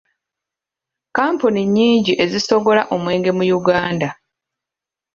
Kkampuni nnyingi ezisoggola omwenge mu Uganda.